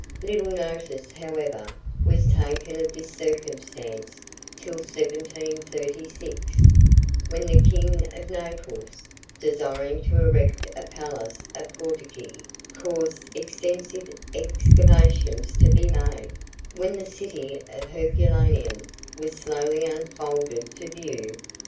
Little notice, however, was taken of this circumstance till 1736, when the king of Naples, desiring to erect a palace at Portici, caused extensive excavations to be made, when the city of Herculaneum was slowly unfolded to view.